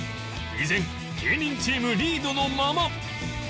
依然芸人チームリードのまま